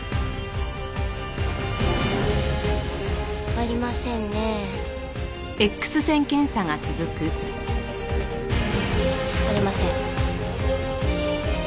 ありませんねえ。ありません。